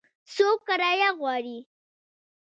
څو کرایه غواړي ؟